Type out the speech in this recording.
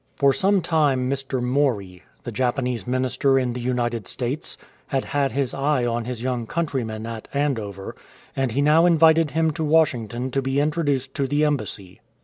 For some time Mr. Mori, the Japanese Minister in the United States, had had his eye on his young countryman at Andover, and he now invited him to Washington to be introduced to the embassy.